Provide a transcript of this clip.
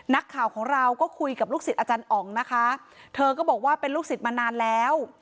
นักข่าวของเราก็คุยกับลูกศิษย์อาจารย์อ๋องนะคะเธอก็บอกว่าเป็นลูกศิษย์มานานแล้ว